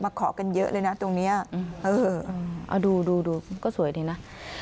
ขอกันเยอะเลยนะตรงนี้เออเอาดูดูก็สวยดีนะ